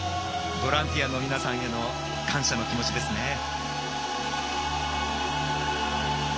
ボランティアの皆さんへの感謝の気持ちですね。